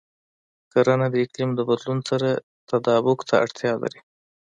کرنه د اقلیم د بدلون سره تطابق ته اړتیا لري.